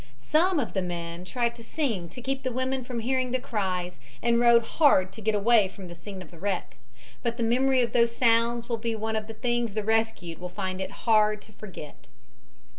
Some of the men tried to sing to keep the women from hearing the cries, and rowed hard to get away from the scene of the wreck, but the memory of those sounds will be one of the things the rescued will find it difficult to forget.